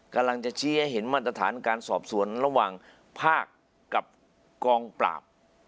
กำลังจะชี้ให้เห็นมาตรฐานการสอบสวนระหว่างภาคกับกองปราบ